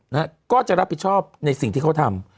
นะฮะก็จะรับผิดชอบในสิ่งที่เขาทำ